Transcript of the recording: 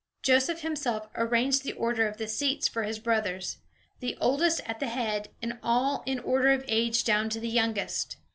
Joseph himself arranged the order of the seats for his brothers, the oldest at the head, and all in order of age down to the youngest.